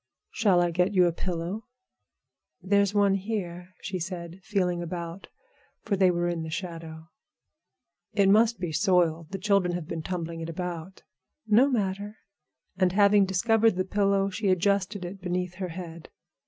"Shall I get you a pillow?" "There's one here," she said, feeling about, for they were in the shadow. "It must be soiled; the children have been tumbling it about." "No matter." And having discovered the pillow, she adjusted it beneath her head.